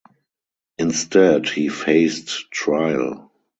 Instead he faced trial.